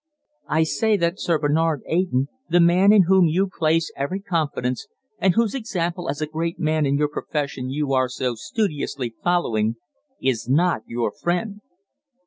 "I say that Sir Bernard Eyton, the man in whom you place every confidence, and whose example as a great man in his profession you are so studiously following, is not your friend."